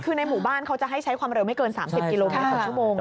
คือในหมู่บ้านเขาจะให้ใช้ความเร็วไม่เกิน๓๐กิโลเมตรต่อชั่วโมง